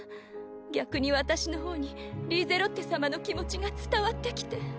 逆に私の方にリーゼロッテ様の気持ちが伝わってきて。